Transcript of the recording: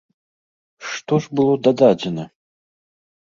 Што ж было дададзена?